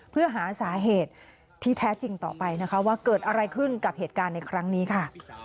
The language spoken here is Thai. เพื่อหาสาเหตุที่แท้จริงต่อไปนะคะว่าเกิดอะไรขึ้นกับเหตุการณ์ในครั้งนี้ค่ะ